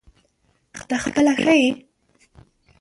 ته خپله ښه یې ؟